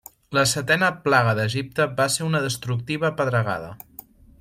La setena plaga d'Egipte va ser una destructiva pedregada.